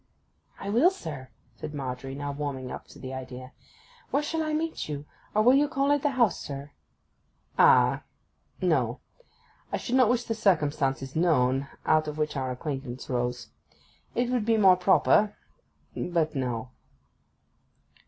'I will, sir,' said Margery, now warming up to the idea. 'Where shall I meet you? Or will you call at the house, sir?' 'Ah—no. I should not wish the circumstances known out of which our acquaintance rose. It would be more proper—but no.